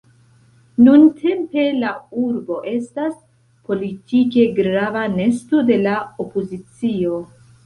Nuntempe la urbo estas politike grava nesto de la opozicio.